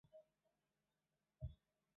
因为兄长之事牵连贬居临海。